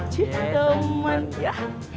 cici teman ya